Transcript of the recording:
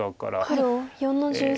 黒４の十三切り。